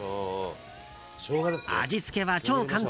味付けは超簡単。